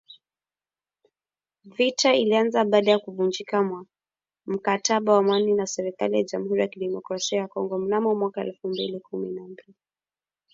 Vita ilianza baada ya kuvunjika kwa mkataba wa amani na serikali ya Jamhuri ya Kidemocrasia ya Kongo, mnamo mwaka elfu mbili na kumi.